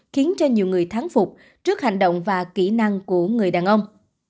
khiến cho nhiều người thắng phục trước hành động và kỹ năng của người đàn ông